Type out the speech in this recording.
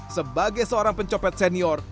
sebagai seorang pencopet senior